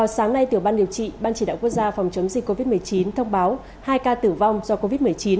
sáng nay tiểu ban điều trị ban chỉ đạo quốc gia phòng chống dịch covid một mươi chín thông báo hai ca tử vong do covid một mươi chín